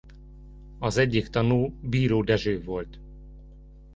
Az egyik tanú Bíró Dezső volt.